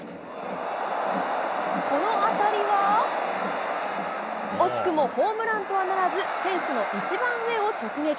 この当たりは惜しくもホームランとはならず、フェンスの一番上を直撃。